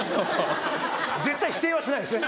絶対否定はしないんですね